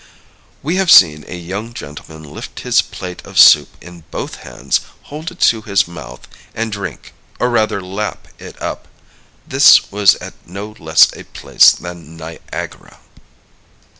We have seen a young gentleman lift his plate of soup in both hands, hold it to his mouth, and drink, or rather lap it up. This was at no less a place than Niagara.